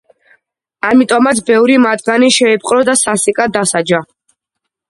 ამიტომაც ბევრი მათგანი შეიპყრო და სასტიკად დასაჯა.